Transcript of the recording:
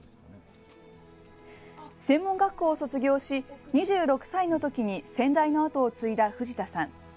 専門学校を卒業し２６歳のときに先代の跡を継いだ藤田さん。